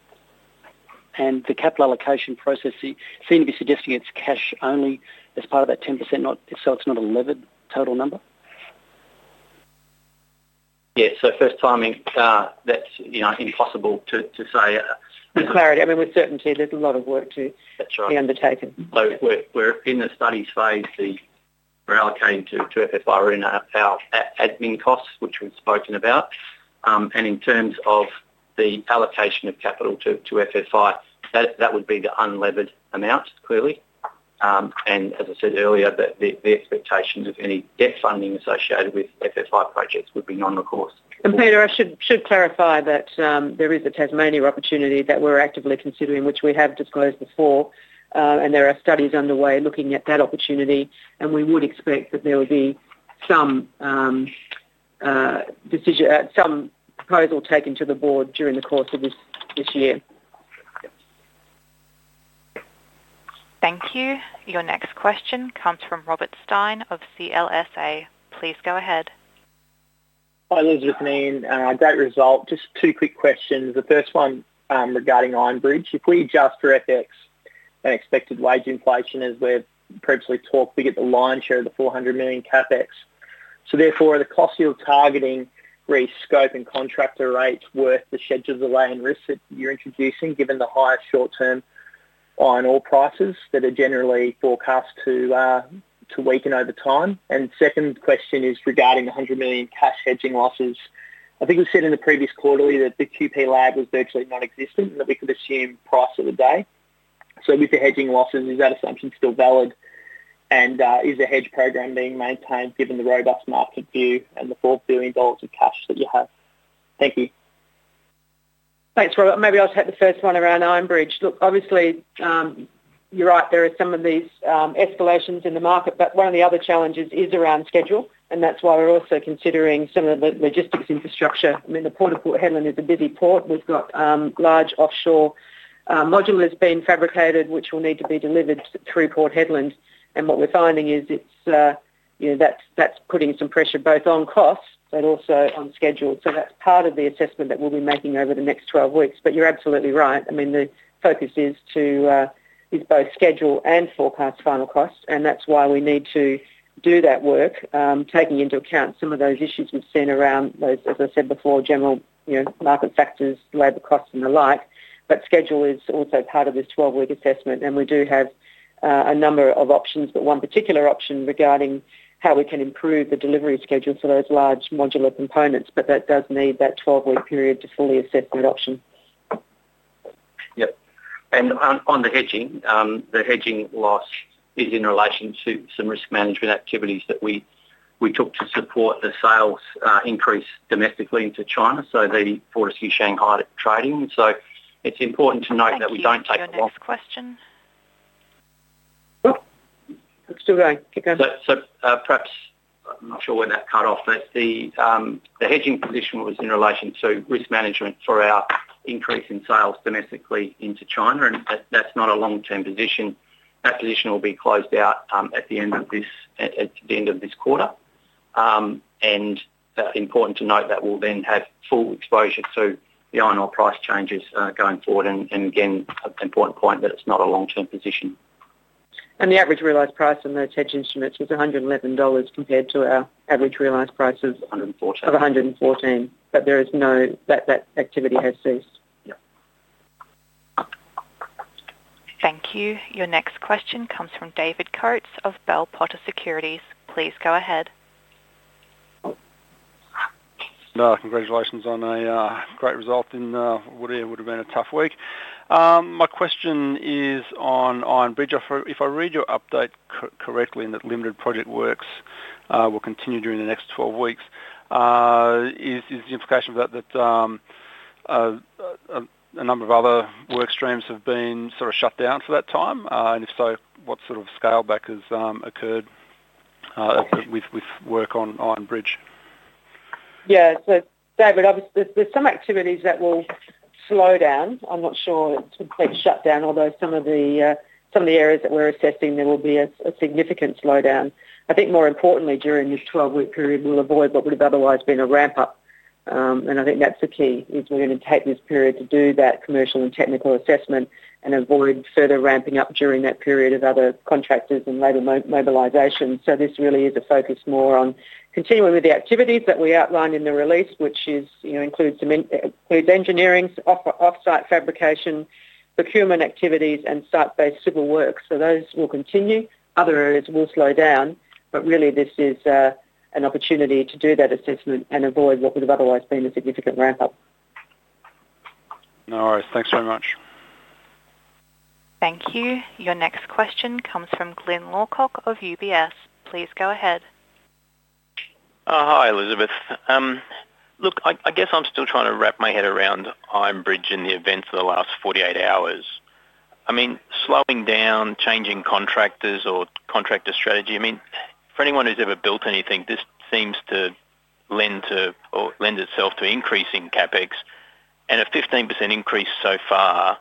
and the capital allocation process seem to be suggesting it's cash only as part of that 10%, so it's not a levered total number? Yeah, first timing, that's impossible to say. With clarity, with certainty, there's a lot of work to be undertaken. We're in the studies phase. We're allocating to FFI our admin costs, which we've spoken about. In terms of the allocation of capital to FFI, that would be the unlevered amount, clearly. As I said earlier, the expectation of any debt funding associated with FFI projects would be non-recourse. Peter, I should clarify that there is a Tasmania opportunity that we're actively considering, which we have disclosed before. There are studies underway looking at that opportunity, and we would expect that there would be some proposal taken to the board during the course of this year. Thank you. Your next question comes from Robert Stein of CLSA. Please go ahead. Hi, Elizabeth and Ian. I do not result. Just two quick questions. The first one regarding Iron Bridge. If we adjust for FX and expected wage inflation, as we have previously talked, we get the lion's share of the $400 million CapEx. Therefore, are the costs you are targeting re-scope and contractor rates worth the schedule delay and risk that you are introducing, given the higher short-term iron ore prices that are generally forecast to weaken over time? Second question is regarding the $100 million cash hedging losses. I think we said in the previous quarterly that the QP lag was virtually non-existent and that we could assume price of the day. With the hedging losses, is that assumption still valid? Is the hedge program being maintained given the robust market view and the $4 billion of cash that you have? Thank you. Thanks, Robert. Maybe I will take the first one around Iron Bridge. Obviously, you're right, there are some of these escalations in the market, but one of the other challenges is around schedule, and that's why we're also considering some of the logistics infrastructure. The port of Port Hedland is a busy port. We've got large offshore modules being fabricated, which will need to be delivered through Port Hedland. What we're finding is that's putting some pressure both on costs but also on schedule. That's part of the assessment that we'll be making over the next 12 weeks. You're absolutely right. The focus is both schedule and forecast final costs, and that's why we need to do that work, taking into account some of those issues we've seen around, as I said before, general market factors, labor costs, and the like. Schedule is also part of this 12-week assessment, and we do have a number of options, but one particular option regarding how we can improve the delivery schedule for those large modular components. That does need that 12-week period to fully assess that option. Yep. On the hedging, the hedging loss is in relation to some risk management activities that we took to support the sales increase domestically into China, the Fortescue, Shanghai trading. It's important to note that we don't take the. Anyone else? Last question. Let's do it again. Keep going. Perhaps I'm not sure where that cut off. The hedging position was in relation to risk management for our increase in sales domestically into China, and that's not a long-term position. That position will be closed out at the end of this quarter. Important to note that we'll then have full exposure to the iron ore price changes going forward. Again, an important point that it's not a long-term position. The average realized price on those hedge instruments was $111 compared to our average realized price of $114. That activity has ceased. Thank you. Your next question comes from David Coates of Bell Potter Securities. Please go ahead. Congratulations on a great result in what would have been a tough week. My question is on Iron Bridge. If I read your update correctly, that limited project works will continue during the next 12 weeks, is the implication of that that a number of other work streams have been sort of shut down for that time? If so, what sort of scale back has occurred with work on Iron Bridge? Yeah. David, there are some activities that will slow down. I'm not sure it's a complete shutdown, although some of the areas that we're assessing, there will be a significant slowdown. I think more importantly, during this 12-week period, we'll avoid what would have otherwise been a ramp-up. I think that's the key, is we're going to take this period to do that commercial and technical assessment and avoid further ramping up during that period of other contractors and labor mobilization. This really is a focus more on continuing with the activities that we outlined in the release, which includes engineering, offsite fabrication, procurement activities, and site-based civil works. Those will continue. Other areas will slow down, but really this is an opportunity to do that assessment and avoid what would have otherwise been a significant ramp-up. No worries. Thanks very much. Thank you. Your next question comes from Glyn Lawcock of UBS. Please go ahead. Hi, Elizabeth. I guess I'm still trying to wrap my head around Iron Bridge in the event of the last 48 hours. Slowing down, changing contractors, or contractor strategy, for anyone who's ever built anything, this seems to lend itself to increasing CapEx. A 15% increase so far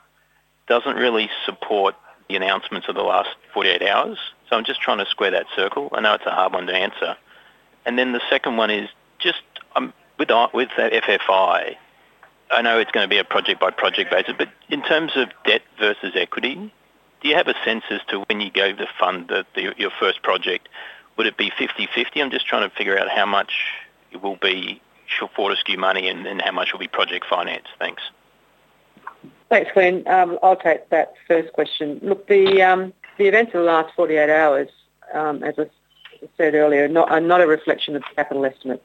doesn't really support the announcements of the last 48 hours. I'm just trying to square that circle. I know it's a hard one to answer. The second one is just with FFI, I know it's going to be a project-by-project basis, but in terms of debt versus equity, do you have a sense as to when you gave the fund your first project? Would it be 50/50? I'm just trying to figure out how much it will be Fortescue money and how much will be project finance. Thanks. Thanks, Glyn. I'll take that first question. The events of the last 48 hours, as I said earlier, are not a reflection of the capital estimate.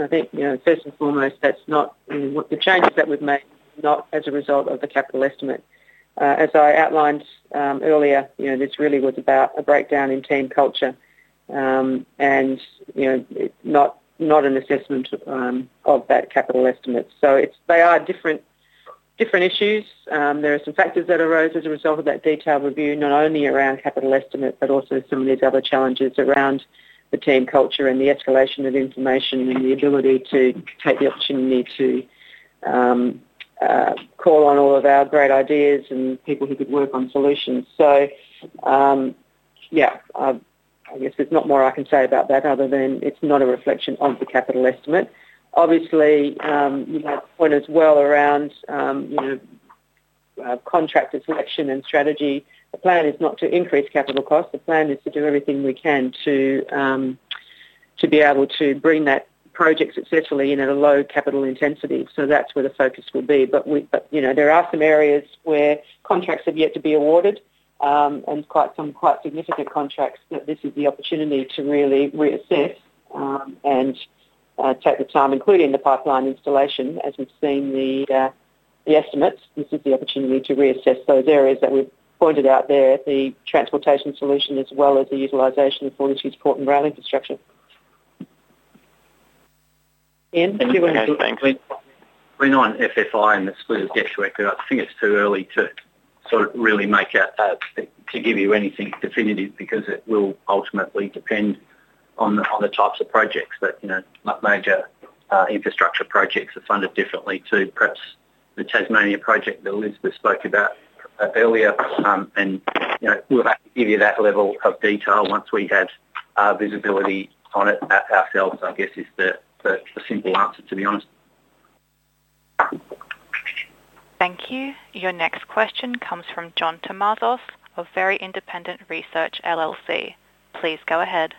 I think first and foremost, the changes that we've made are not as a result of the capital estimate. As I outlined earlier, this really was about a breakdown in team culture and not an assessment of that capital estimate. They are different issues. There are some factors that arose as a result of that detailed review, not only around capital estimate but also some of these other challenges around the team culture and the escalation of information and the ability to take the opportunity to call on all of our great ideas and people who could work on solutions. Yeah, I guess there's not more I can say about that other than it's not a reflection of the capital estimate. Obviously, the point as well around contractor selection and strategy, the plan is not to increase capital costs. The plan is to do everything we can to be able to bring that project successfully in at a low capital intensity. That is where the focus will be. There are some areas where contracts have yet to be awarded, and quite significant contracts that this is the opportunity to really reassess and take the time, including the pipeline installation. As we have seen the estimates, this is the opportunity to reassess those areas that we have pointed out there, the transportation solution as well as the utilization of Fortescue's port and rail infrastructure. Ian. Thank you. Ian. On FFI and the school of debt director, I think it's too early to really give you anything definitive because it will ultimately depend on the types of projects. Major infrastructure projects are funded differently to perhaps the Tasmania project that Elizabeth spoke about earlier. We'll have to give you that level of detail once we have visibility on it ourselves, I guess is the simple answer, to be honest. Thank you. Your next question comes from John Tumazos of Very Independent Research LLC. Please go ahead.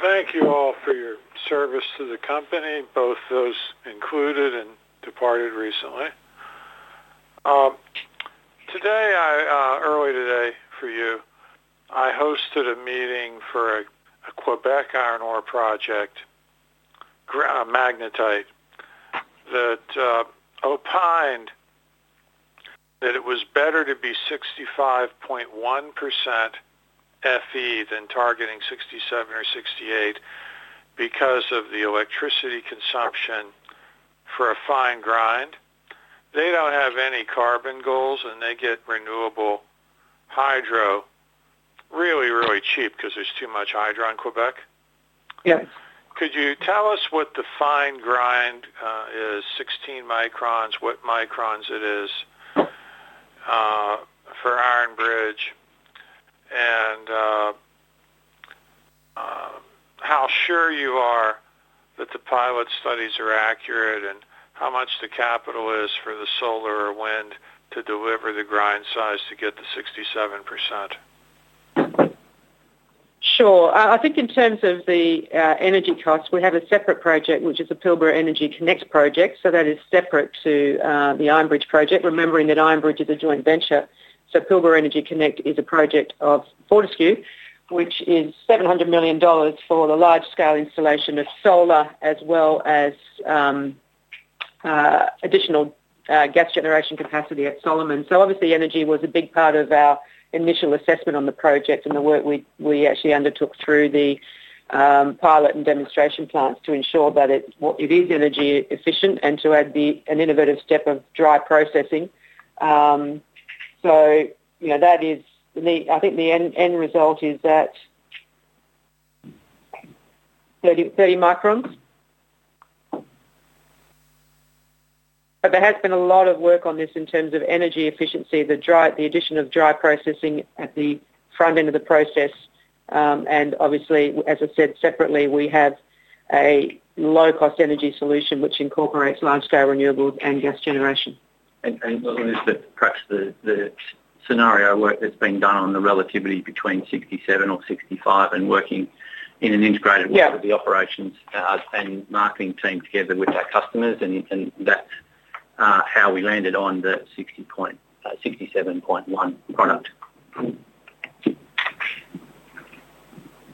Thank you all for your service to the company, both those included and departed recently. Early today for you, I hosted a meeting for a Quebec iron ore project, magnetite, that opined that it was better to be 65.1% Fe than targeting 67% or 68% because of the electricity consumption for a fine grind. They do not have any carbon goals, and they get renewable hydro really, really cheap because there is too much hydro in Quebec. Could you tell us what the fine grind is, 16 microns, what microns it is for Iron Bridge, and how sure you are that the pilot studies are accurate, and how much the capital is for the solar or wind to deliver the grind size to get the 67%? Sure. I think in terms of the energy costs, we have a separate project, which is the Pilbara Energy Connect project. That is separate to the Iron Bridge project, remembering that Iron Bridge is a joint venture. Pilbara Energy Connect is a project of Fortescue, which is 700 million dollars for the large-scale installation of solar as well as additional gas generation capacity at Solomon. Obviously, energy was a big part of our initial assessment on the project and the work we actually undertook through the pilot and demonstration plants to ensure that it is energy efficient and to add an innovative step of dry processing. That is, I think the end result is that 30 microns. There has been a lot of work on this in terms of energy efficiency, the addition of dry processing at the front end of the process. Obviously, as I said separately, we have a low-cost energy solution which incorporates large-scale renewables and gas generation. Elizabeth, perhaps the scenario work that has been done on the relativity between 67% or 65% and working in an integrated way with the operations and marketing team together with our customers, and that is how we landed on the 67.1% product.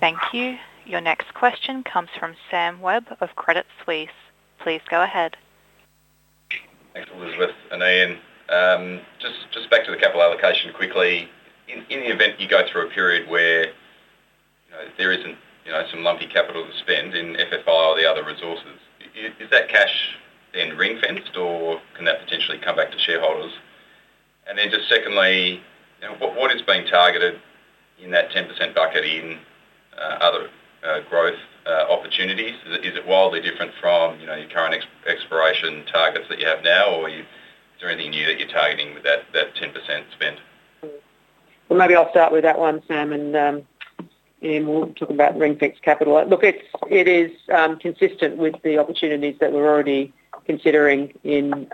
Thank you. Your next question comes from Sam Webb of Credit Suisse. Please go ahead. Thanks, Elizabeth. Ian, just back to the capital allocation quickly. In the event you go through a period where there is not some lumpy capital to spend in FFI or the other resources, is that cash then ring-fenced, or can that potentially come back to shareholders? Then just secondly, what is being targeted in that 10% bucket in other growth opportunities? Is it wildly different from your current exploration targets that you have now, or is there anything new that you are targeting with that 10% spend? Maybe I'll start with that one, Sam, and Ian will talk about ring-fenced capital. Look, it is consistent with the opportunities that we're already considering in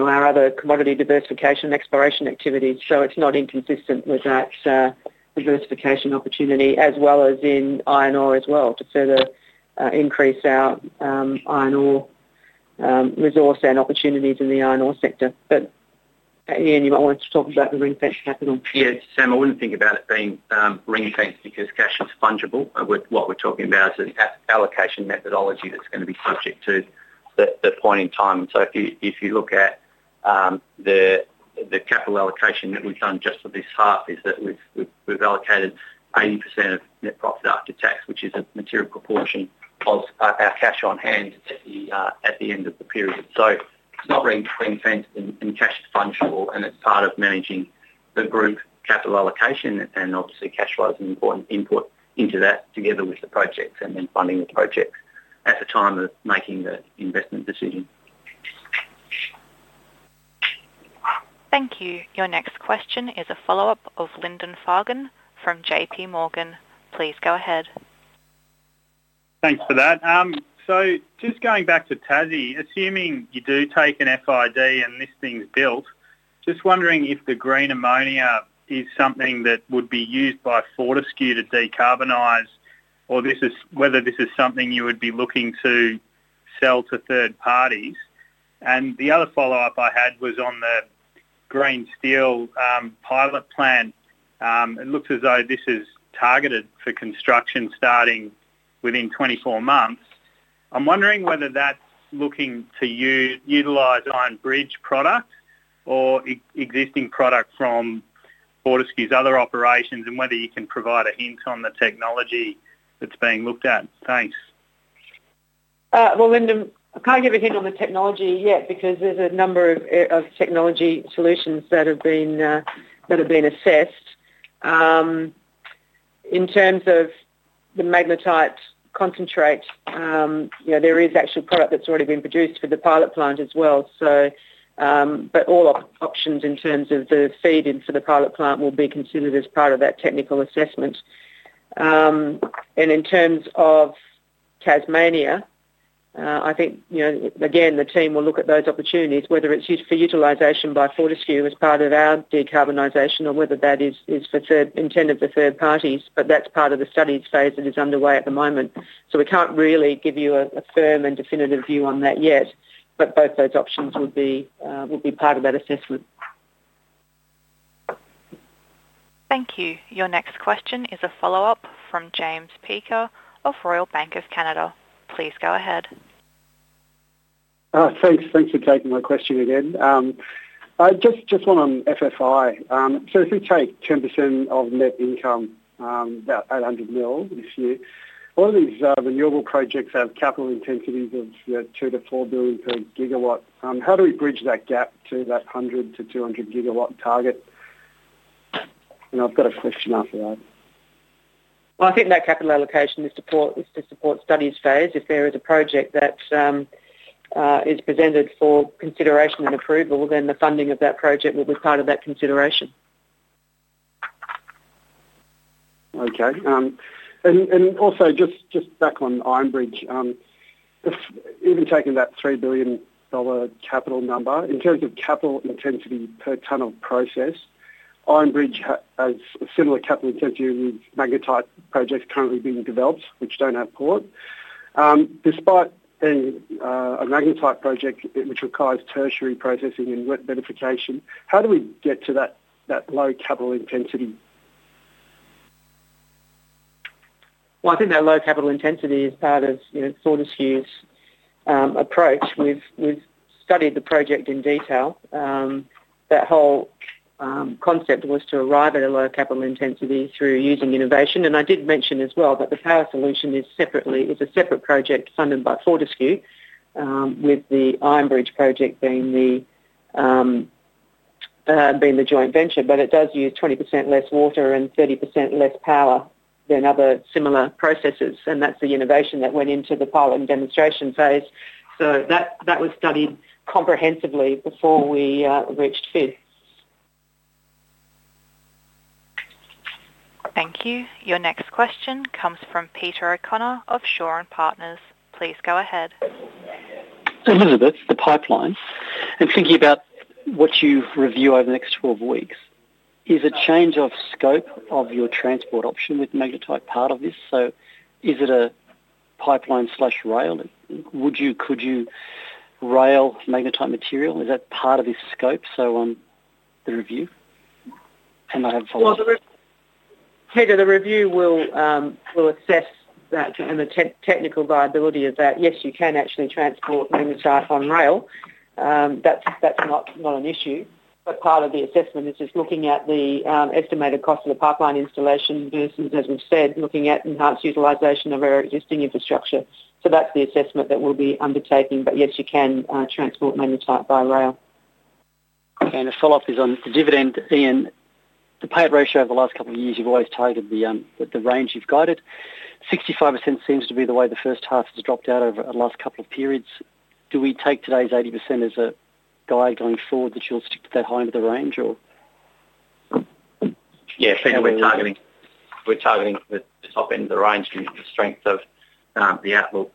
our other commodity diversification exploration activities. It's not inconsistent with that diversification opportunity as well as in iron ore as well to further increase our iron ore resource and opportunities in the iron ore sector. Ian, you might want to talk about the ring-fenced capital. Yes. Sam, I wouldn't think about it being ring-fenced because cash is fungible. What we're talking about is an allocation methodology that's going to be subject to the point in time. If you look at the capital allocation that we've done just for this half, is that we've allocated 80% of net profit after tax, which is a material proportion of our cash on hand at the end of the period. It's not ring-fenced, and cash is fungible, and it's part of managing the group capital allocation. Obviously, cash flow is an important input into that together with the projects and then funding the projects at the time of making the investment decision. Thank you. Your next question is a follow-up of Lyndon Fagan from JP Morgan. Please go ahead. Thanks for that. Just going back to Tassie, assuming you do take an FID and this thing's built, just wondering if the green ammonia is something that would be used by Fortescue to decarbonize, or whether this is something you would be looking to sell to third parties. The other follow-up I had was on the green steel pilot plan. It looks as though this is targeted for construction starting within 24 months. I'm wondering whether that's looking to utilize Iron Bridge product or existing product from Fortescue's other operations and whether you can provide a hint on the technology that's being looked at. Thanks. Lyndon, I can't give a hint on the technology yet because there's a number of technology solutions that have been assessed. In terms of the magnetite concentrate, there is actual product that's already been produced for the pilot plant as well. All options in terms of the feed-in for the pilot plant will be considered as part of that technical assessment. In terms of Tasmania, I think, again, the team will look at those opportunities, whether it's for utilization by Fortescue as part of our decarbonization or whether that is intended for third parties. That's part of the studies phase that is underway at the moment. We can't really give you a firm and definitive view on that yet, but both those options would be part of that assessment. Thank you. Your next question is a follow-up from Kaan Peker of Royal Bank of Canada. Please go ahead. Thanks for taking my question again. Just one on FFI. If we take 10% of net income, about $800 million this year, all these renewable projects have capital intensities of $2 billion-$4 billion per GW. How do we bridge that gap to that 100-200 GW target? I've got a question after that. I think that capital allocation is to support studies phase. If there is a project that is presented for consideration and approval, then the funding of that project will be part of that consideration. Also, just back on Iron Bridge, even taking that $3 billion capital number, in terms of capital intensity per ton of process, Iron Bridge has a similar capital intensity with magnetite projects currently being developed which do not have port. Despite a magnetite project which requires tertiary processing and wet verification, how do we get to that low capital intensity? I think that low capital intensity is part of Fortescue's approach. We've studied the project in detail. That whole concept was to arrive at a low capital intensity through using innovation. I did mention as well that the power solution is a separate project funded by Fortescue, with the Iron Bridge project being the joint venture. It does use 20% less water and 30% less power than other similar processes. That's the innovation that went into the pilot and demonstration phase. That was studied comprehensively before we reached FID. Thank you. Your next question comes from Peter O'Connor of Shore and Partners. Please go ahead. Elizabeth, the pipeline. Thinking about what you review over the next 12 weeks, is a change of scope of your transport option with magnetite part of this? Is it a pipeline/rail? Would you rail magnetite material? Is that part of this scope on the review? I have follow-ups. Peter, the review will assess that and the technical viability of that. Yes, you can actually transport magnetite on rail. That's not an issue. Part of the assessment is just looking at the estimated cost of the pipeline installation versus, as we've said, looking at enhanced utilization of our existing infrastructure. That's the assessment that we'll be undertaking. Yes, you can transport magnetite by rail. Again, a follow-up is on the dividend. Ian, the payout ratio over the last couple of years, you've always targeted the range you've guided. 65% seems to be the way the first half has dropped out over the last couple of periods. Do we take today's 80% as a guide going forward that you'll stick to that high end of the range? Yes. I think we're targeting the top end of the range due to the strength of the outlook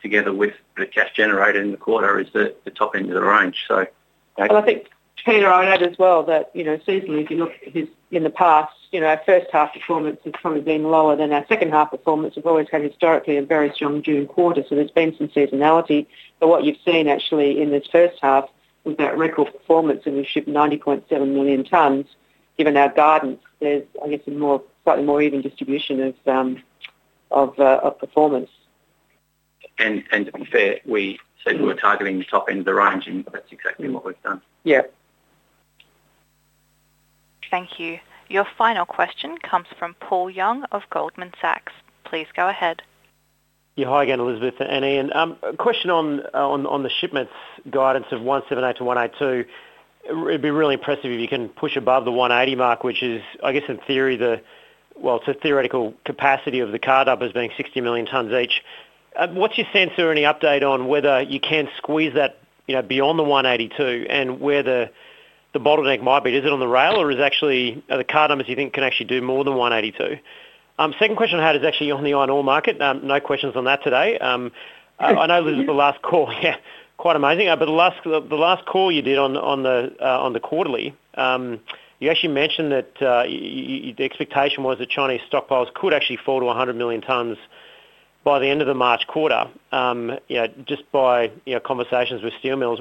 together with the cash generator in the quarter is the top end of the range. I think, Peter, I would add as well that seasonally, if you look in the past, our first half performance has probably been lower than our second half performance. We've always had historically a very strong June quarter, so there's been some seasonality. What you've seen actually in this first half was that record performance, and we've shipped 90.7 million tons. Given our guidance, there's a slightly more even distribution of performance. To be fair, we said we were targeting the top end of the range, and that's exactly what we've done. Yep. Thank you. Your final question comes from Paul Young of Goldman Sachs. Please go ahead. Hi, again, Elizabeth and Ian. Question on the shipments guidance of 178-182. It'd be really impressive if you can push above the 180 mark, which is, I guess, in theory, the theoretical capacity of the car dumpers being 60 million tons each. What's your sense or any update on whether you can squeeze that beyond the 182 and where the bottleneck might be? Is it on the rail, or are the car dumpers, do you think, can actually do more than 182? Second question I had is actually on the iron ore market. No questions on that today. I know this is the last call. Quite amazing. The last call you did on the quarterly, you actually mentioned that the expectation was that Chinese stockpiles could actually fall to 100 million tons by the end of the March quarter just by conversations with steel mills.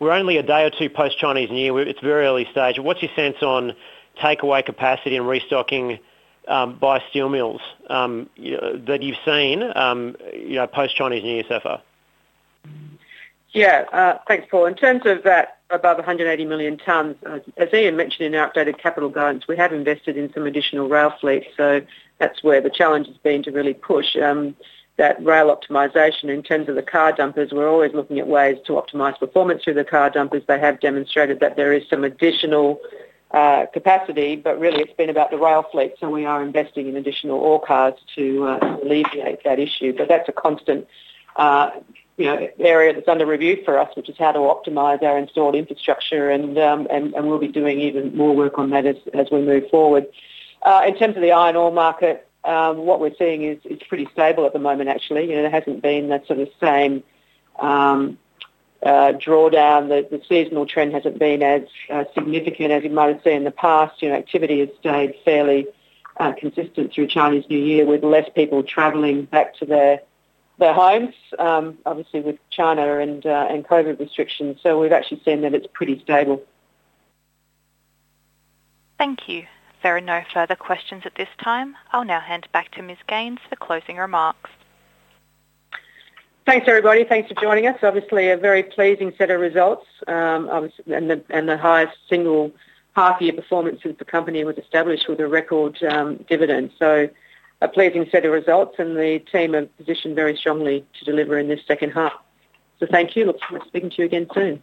We're only a day or two post-Chinese New Year. It's very early stage. What's your sense on takeaway capacity and restocking by steel mills that you've seen post-Chinese New Year so far? Yeah. Thanks, Paul. In terms of that above 180 million tons, as Ian mentioned in our updated capital guidance, we have invested in some additional rail fleets. That is where the challenge has been to really push that rail optimization. In terms of the car dumpers, we are always looking at ways to optimize performance through the car dumpers. They have demonstrated that there is some additional capacity. Really, it has been about the rail fleet, so we are investing in additional ore cars to alleviate that issue. That is a constant area that is under review for us, which is how to optimize our installed infrastructure. We will be doing even more work on that as we move forward. In terms of the iron ore market, what we are seeing is pretty stable at the moment, actually. There has not been that sort of same drawdown. The seasonal trend has not been as significant as you might have seen in the past. Activity has stayed fairly consistent through Chinese New Year with fewer people traveling back to their homes, obviously with China and COVID restrictions. We have actually seen that it is pretty stable. Thank you. There are no further questions at this time. I'll now hand back to Ms. Gaines for closing remarks. Thanks, everybody. Thanks for joining us. Obviously, a very pleasing set of results. The highest single half-year performance since the company was established with a record dividend. A pleasing set of results, and the team are positioned very strongly to deliver in this second half. Thank you. Look forward to speaking to you again soon.